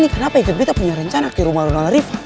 akhirnya skfb kita punya rencana ke rumah rumah sécur riva